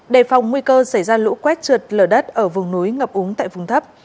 đề phòng nguy cơ xảy ra lũ quét trượt lở đất ở vùng núi ngập úng tại vùng thấp